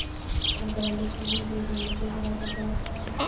تر برنډې لاندې و درېدم، د کور دروازه خلاصه وه.